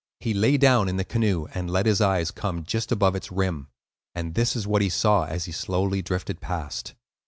He lay down in the canoe and let his eyes come just above its rim, and this is what he saw as he slowly drifted past.